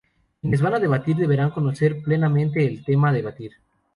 Quienes van a debatir deberán conocer plenamente el tema a debatir.